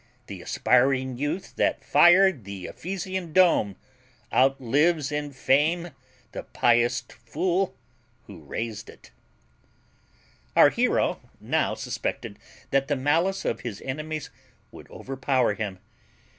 Th' aspiring youth that fired th' Ephesian dome Outlives in fame the pious fool who rais'd it Our hero now suspected that the malice of his enemies would overpower him.